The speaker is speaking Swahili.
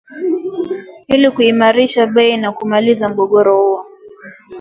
ili kuimarisha bei na kumaliza mgogoro huo